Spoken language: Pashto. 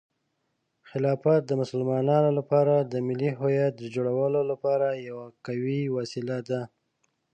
خلافت د مسلمانانو لپاره د ملي هویت د جوړولو لپاره یوه قوي وسیله ده.